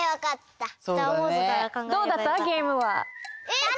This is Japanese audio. どうだった？